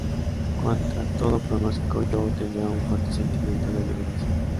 Contra todo pronóstico, Joe tendrá un fuerte sentimiento de liberación.